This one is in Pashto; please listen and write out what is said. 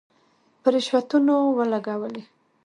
په رشوتونو ولګولې.